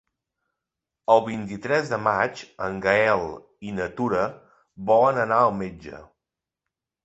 El vint-i-tres de maig en Gaël i na Tura volen anar al metge.